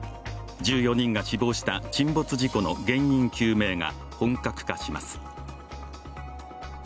１４人が死亡した沈没事故の原因究明が本格化します。